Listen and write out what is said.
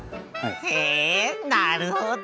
へえなるほど。